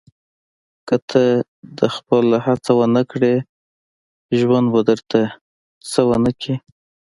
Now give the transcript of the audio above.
• که ته خپله هڅه ونه کړې، ژوند به درته څه ونه کړي.